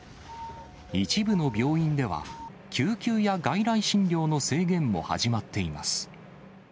一部の病院では、救急や外来診療の制限も始まっています。